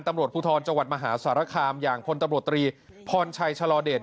ตำรวจภูทรจังหวัดมหาสารคามอย่างพลตำรวจตรีพรชัยชะลอเดช